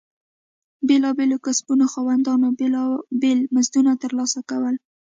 بېلابېلو کسبونو خاوندانو بېلابېل مزدونه ترلاسه کول.